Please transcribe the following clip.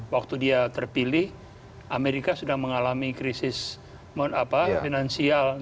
waktu dia terpilih amerika sudah mengalami krisis finansial